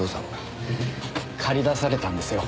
駆り出されたんですよ。